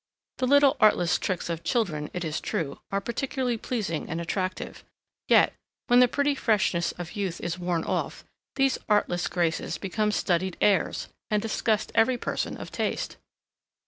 The little artless tricks of children, it is true, are particularly pleasing and attractive; yet, when the pretty freshness of youth is worn off, these artless graces become studied airs, and disgust every person of taste.